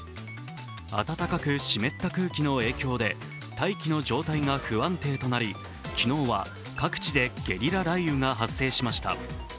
暖かく湿った空気の影響で大気の状態が不安定となり昨日は各地でゲリラ雷雨が発生しました。